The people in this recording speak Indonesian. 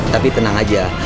tapi tenang aja